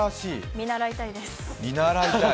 見習いたいです。